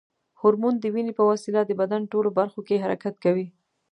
هورمون د وینې په وسیله د بدن ټولو برخو کې حرکت کوي.